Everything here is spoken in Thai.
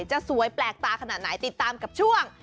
จะสวยแปลกตาขนาดไหนติดตามกับช่วง